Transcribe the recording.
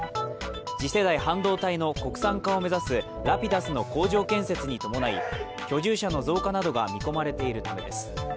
次世代半導体の国産化を目指すＲａｐｉｄｕｓの工場建設に伴い居住者の増加などが見込まれているためです。